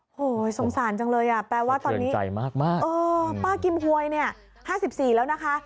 โอ้โฮสงสารจังเลยอ่ะแปลว่าตอนนี้ป้ากิมหวยเนี่ย๕๔แล้วนะคะ